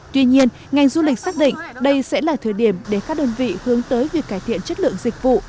tuy nhiên ngành du lịch xác định đây sẽ là thời điểm để các đơn vị hướng tới việc cải thiện chất lượng dịch vụ